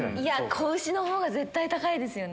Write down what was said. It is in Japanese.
仔牛の方が絶対高いですよね。